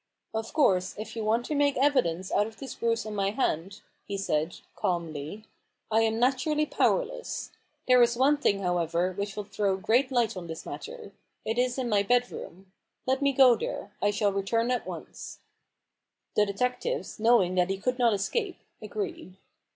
" Of course if you want to make evidence out of this bruise on my hand," he said, calmly, " I am naturally powerless. There is one thing, however, which will throw great light on this matter. It is in my bedroom. Let me go there: I shall return at once." 184 A BOOK OF BARGAINS. The detectives, knowing that he could not escape, agreed.